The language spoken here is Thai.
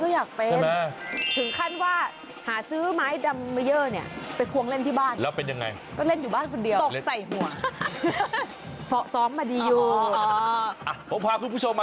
อยากเป็นฉันก็อยากเป็น